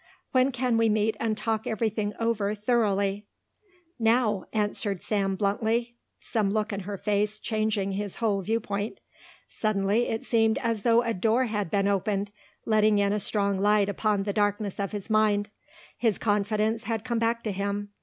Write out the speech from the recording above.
"When can we meet and talk everything over thoroughly?" "Now," answered Sam bluntly, some look in her face changing his whole viewpoint. Suddenly it seemed as though a door had been opened, letting in a strong light upon the darkness of his mind. His confidence had come back to him.